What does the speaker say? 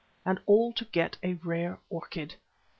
And all to get a rare orchid!